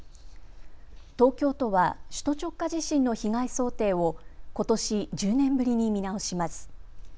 東京都は首都直下地震の被害想定をことし１０年ぶりに見直します。